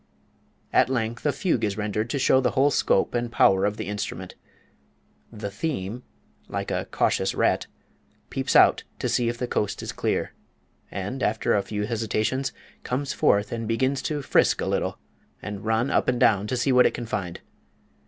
"At length a fugue is rendered to show the whole scope and power of the instrument. The theme, like a cautious rat, peeps out to see if the coast is clear; and, after a few hesitations, comes forth and begins to frisk a little, and run up and down to see what it can find.